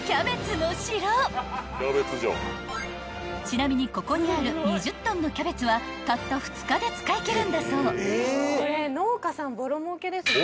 ［ちなみにここにある２０ｔのキャベツはたった２日で使いきるんだそう］